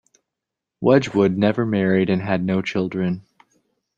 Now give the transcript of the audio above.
Wedgwood never married and had no children.